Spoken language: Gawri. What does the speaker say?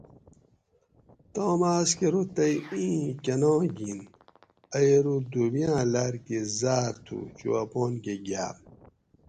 تام آۤس کہ ارو تئی اِیں کۤناں گِھینت؟ ائی ارو دھوبیاۤں لاۤر کہ زاۤر تُھو چو اپانکہ گِھیاۤ